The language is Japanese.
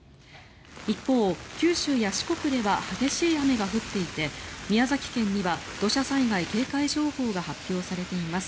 一方、九州や四国では激しい雨が降っていて宮崎県には土砂災害警戒情報が発表されています。